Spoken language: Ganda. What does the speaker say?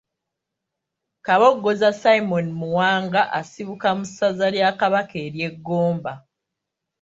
Kabogoza Simon Muwanga asibuka mu ssaza lya Kabaka ery’e Ggomba.